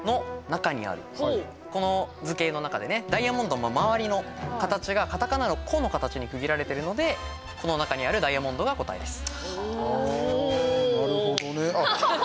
この図形の中でねダイヤモンドの周りの形がカタカナの「コ」の形に区切られているので「コ」の中にあるダイヤモンドが答えです。